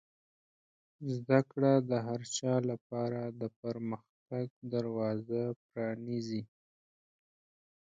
زده کړه د هر چا لپاره د پرمختګ دروازه پرانیزي.